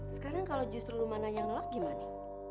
sekarang kalau justru rumana nya nolak gimana